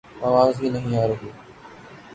آواز ہی نہیں آرہی